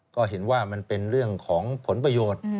ก็เห็นว่ามันเป็นเรื่องของผลประโยชน์